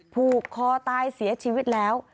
ผูกคอตายเสียชีวิตแล้ว